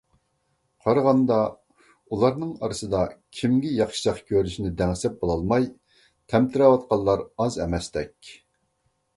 قارىغاندا، ئۇلار ئارىسىدا كىمگە ياخشىچاق كۆرۈنۈشنى دەڭسەپ بولالماي تەمتىرەۋاتقانلار ئاز ئەمەستەك.